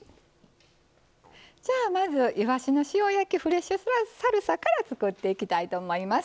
じゃあまずいわしの塩焼きフレッシュサルサから作っていきたいと思います。